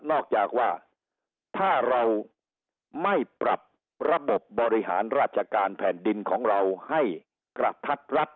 อกจากว่าถ้าเราไม่ปรับระบบบบริหารราชการแผ่นดินของเราให้กระทัดรัฐ